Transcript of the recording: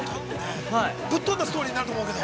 ◆ぶっ飛んだストーリーになると思うけど。